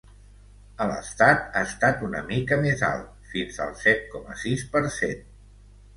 A l’estat, ha estat una mica més alt, fins al set coma sis per cent.